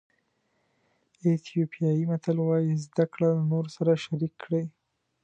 ایتیوپیایي متل وایي زده کړه له نورو سره شریک کړئ.